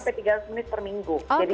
empat puluh tiga puluh menit per minggu